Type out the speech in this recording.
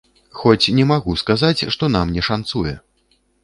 Хоць не магу сказаць, што нам не шанцуе!